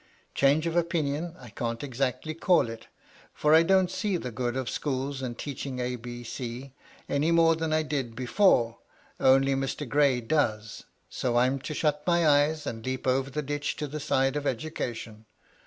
Change of opinion 1 can't exactly call it, for 1 don't see the good of schools and teaching ABC, any more than I did before, only Mr. Gray does, so I'm to shut my eyes, and leap over the ditch to the side of education.